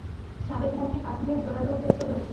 সাবেক মন্ত্রী পাঝানির জোরালো উদ্দেশ্য রয়েছে।